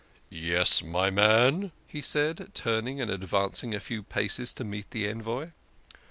"Yes, my man," he said, turning and advancing a few paces to meet the envoy.